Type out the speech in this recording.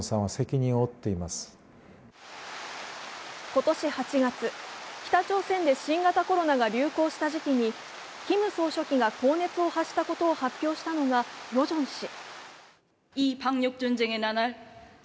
今年８月、北朝鮮で新型コロナが流行した時期にキム総書記が高熱を発したことを発表したのがヨジョン氏。